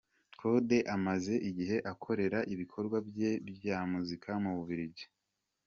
Kode amaze igihe akorera ibikorwa bye bya muzika mu Bubiligi.